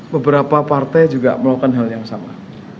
beberapa partai juga melakukan hal yang sama